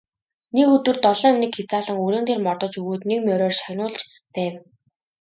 Нэг өдөр долоон эмнэг хязаалан үрээн дээр мордож өгөөд нэг мориор шагнуулж байв.